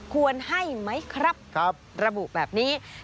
ควรให้ไหมครับระบุแบบนี้